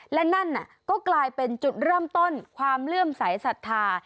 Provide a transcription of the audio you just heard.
และนั่นก็กลายเป็นจุดเริ่มต้นความเลื่อมสายศรัทธา